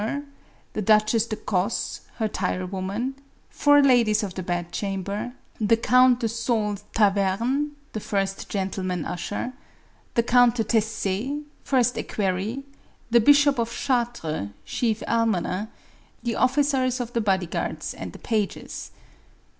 461 or ; the Duchess de Cossc, her tire woman ; four ladies of the bed chamber; the Count de Saulx Tavannes, first gentleman usher; the Count de Tease*, first equer ry; the Bishop of Chartres, chief almoner ; the officers of the body guards and the pages.